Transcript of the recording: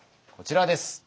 こちらです。